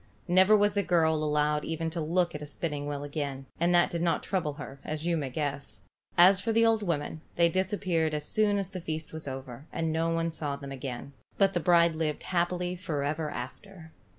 Never was the girl allowed even to look at a spinning wheel again; and that did not trouble her, as you may guess. As for the old women, they disappeared as soon as the feast was over, and no one saw them again, but the bride lived happy forever after.